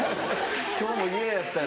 今日も嫌やった。